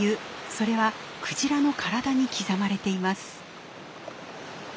それはクジラの体に刻まれています。